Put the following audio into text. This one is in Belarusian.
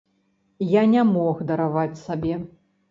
Я не мог дараваць сабе.